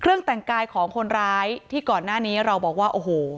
แต่งกายของคนร้ายที่ก่อนหน้านี้เราบอกว่าโอ้โห